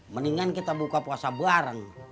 mendingan kita buka puasa bareng